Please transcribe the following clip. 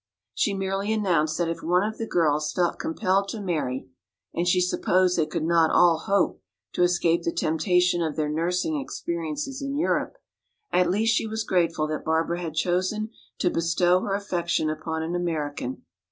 She merely announced that if one of the girls felt compelled to marry (and she supposed they could not all hope to escape the temptation of their nursing experiences in Europe), at least she was grateful that Barbara had chosen to bestow her affection upon an American.